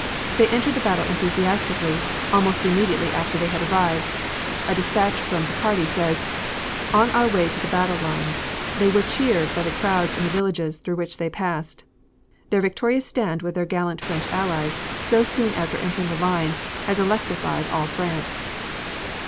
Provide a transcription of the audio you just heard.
They entered the battle enthusiastically, almost immediately after they had arrived. A despatch from Picardy says: "On their way to the battle lines they were cheered by the crowds in the villages through which they passed; their victorious stand with their gallant French Allies, so soon after entering the line, has electrified all France."